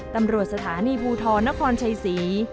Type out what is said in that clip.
ตำรวจสถานีภูทรนครชัยศรี